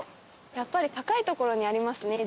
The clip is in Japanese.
やっぱり高い所にありますね神社って。